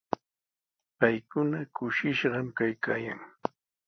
Paykuna kushishqami kaykaayan.